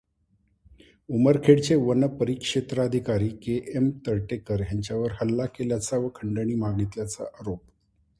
उमरखेडचे वन परिक्षेत्राधिकारी K. M. Tartekar यांच्यावर हल्ला केल्याचा व खंडणी मागितल्याचा आरोप.